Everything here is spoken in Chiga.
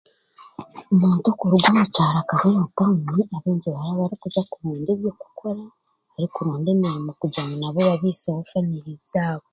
Omuntu okuruga omu kyaro akaza omu tawuni ndagira araba araza kuronda ebyokukora kuronda emirimo kugira ngu nabo babiiseho famiriizi zaabo.